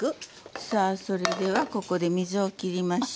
さあそれではここで水を切りましょう。